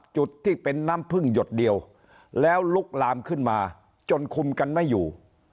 จุดที่เป็นน้ำพึ่งหยดเดียวแล้วลุกลามขึ้นมาจนคุมกันไม่อยู่